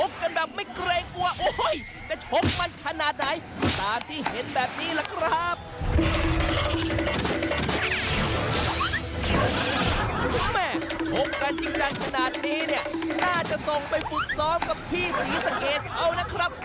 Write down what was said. ชกกันจริงจังขนาดนี้เนี่ยน่าจะส่งไปฝึกซ้อมกับพี่ศรีสะเกดเขานะครับ